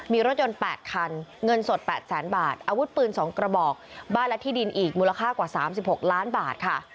มีรถยนต์๘คันเงินสด๘แสนบาทอาวุธปืน๒กระบอกบ้านและที่ดินอีกมูลค่ากว่า๓๖ล้านบาทค่ะ